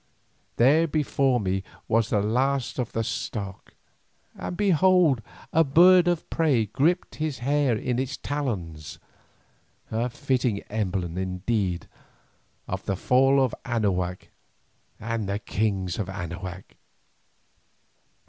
There before me was the last of the stock, and behold! a bird of prey gripped his hair in its talons, a fitting emblem indeed of the fall of Anahuac and the kings of Anahuac.